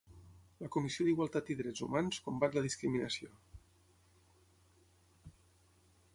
La Comissió d'Igualtat i Drets Humans combat la discriminació.